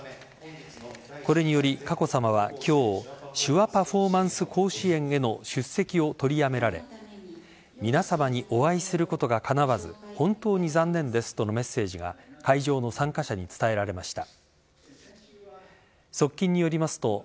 これにより佳子さまは、今日手話パフォーマンス甲子園への出席を取りやめられ皆さまにお会いすることがかなわず本当に残念ですとのメッセージが会場の参加者に伝えられました。